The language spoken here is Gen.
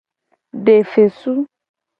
De fesu.